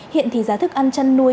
hiện thì giá thức ăn chăn nuôi